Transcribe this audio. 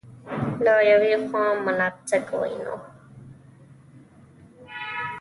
له یوې خوا مناسک وینو.